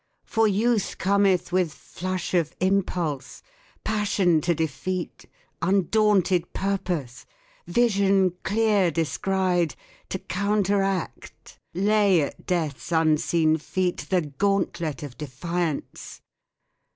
For Youth cometh With flush of impulse, passion to defeat, Undaunted purpose, vision clear descried, To counteract, lay at Death's unseen feet The gauntlet of defiance.